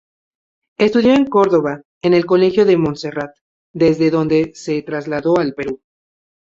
Estudió en Córdoba en el Colegio de Montserrat, desde donde se trasladó al Perú.